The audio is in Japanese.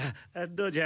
どうじゃ？